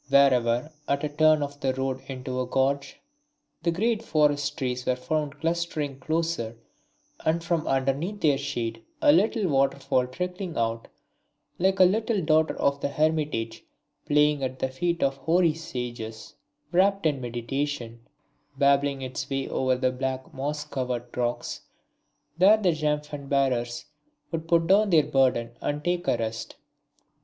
Wherever, at a turn of the road into a gorge, the great forest trees were found clustering closer, and from underneath their shade a little waterfall trickling out, like a little daughter of the hermitage playing at the feet of hoary sages wrapt in meditation, babbling its way over the black moss covered rocks, there the jhampan bearers would put down their burden, and take a rest.